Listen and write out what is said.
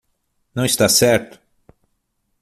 Não está certo?